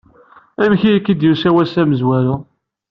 Amek i k-d-yusa wass amezwaru?